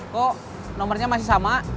kok nomernya masih sama